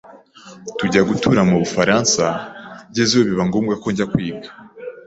tujya gutura mu bufaransa ngezeyo biba ngombwa ko njya kwiga